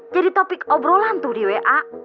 jadi topik obrolan tuh di wa